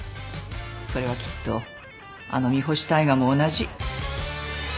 それはきっとあの三星大海も同じ。